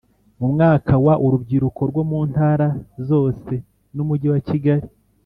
Mu mwaka wa urubyiruko rwo mu Ntara zose n Umujyi wa Kigali